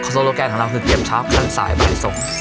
โซโลแกนของเราคือเก็บเช้าขั้นสายใบทรง